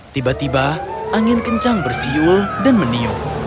tiba tiba angin kencang bersiul dan meniup